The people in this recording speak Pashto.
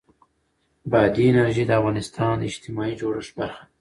بادي انرژي د افغانستان د اجتماعي جوړښت برخه ده.